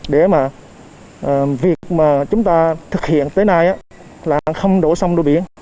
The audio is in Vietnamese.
để mà việc mà chúng ta thực hiện tới nay là không đổ xong đồ biển